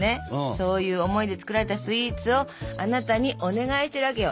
そういう思いで作られたスイーツをあなたにお願いしてるわけよ。